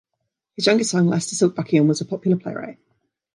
His youngest son, Leicester Silk Buckingham, was a popular playwright.